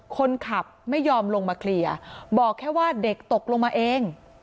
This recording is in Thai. คนขับไม่ยอมลงมาเคลียร์บอกแค่ว่าเด็กตกลงมาเอง